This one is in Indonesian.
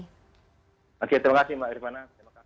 terima kasih mbak irvana